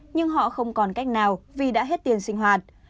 nhưng họ không còn cách nào vì đã hết tiền sinh hoạt